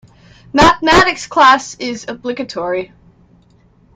Mathematics class is obligatory.